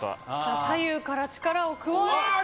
左右から力を加えて。